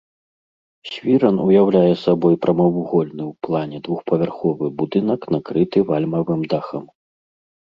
Свіран уяўляе сабой прамавугольны ў плане двухпавярховы будынак накрыты вальмавым дахам.